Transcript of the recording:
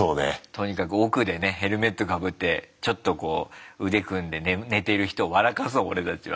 とにかく奧でねヘルメットかぶってちょっとこう腕組んで寝てる人を笑かそう俺たちは。